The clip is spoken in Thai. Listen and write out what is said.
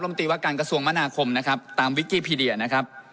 ตีว่าการกระทรวงมนาคมนะครับตามวิกกี้พีเดียนะครับ